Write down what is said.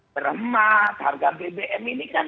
berhemat harga bbm ini kan